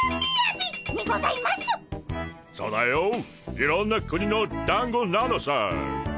いろんな国のだんごなのさ。